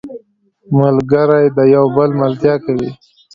ملګری د یو بل ملتیا کوي